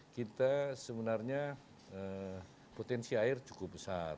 kita sebenarnya potensi air cukup besar